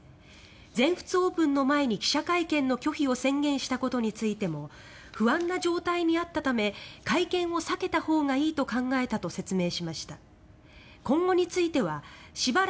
全仏オープンの前に記者会見の拒否を宣言したことについても不安な状態にあったため会見を避けたほうがいいと考えたと、説明しました。